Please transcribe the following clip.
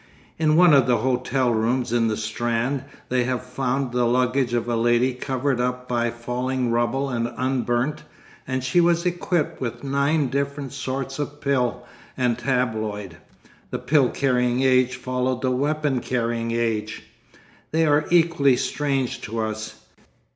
In one of the hotel rooms in the Strand they have found the luggage of a lady covered up by falling rubble and unburnt, and she was equipped with nine different sorts of pill and tabloid. The pill carrying age followed the weapon carrying age. They are equally strange to us.